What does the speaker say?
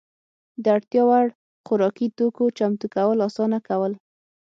د اړتیا وړ خوراکي توکو چمتو کول اسانه کول.